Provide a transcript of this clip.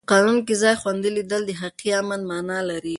په قانون کې ځان خوندي لیدل د حقیقي امن مانا لري.